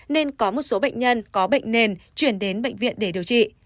nên có một số bệnh nhân có bệnh nền chuyển đến bệnh viện để điều trị